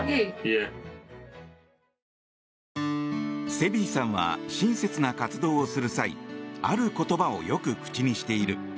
セビーさんは親切な活動をする際ある言葉をよく口にしている。